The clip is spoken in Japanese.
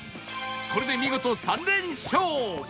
これで見事３連勝